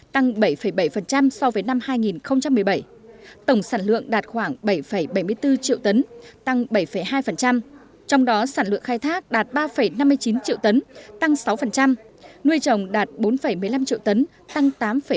tổng sản lượng đạt khoảng bảy bảy mươi bốn triệu tấn tăng bảy hai trong đó sản lượng khai thác đạt ba năm mươi chín triệu tấn tăng sáu nuôi chồng đạt bốn một mươi năm triệu tấn tăng tám ba